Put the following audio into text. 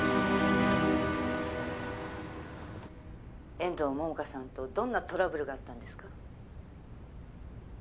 「遠藤桃花さんとどんなトラブルがあったんですか？」